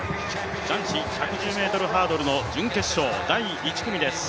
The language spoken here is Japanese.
男子１１０ｍハードルの準決勝、第１組です。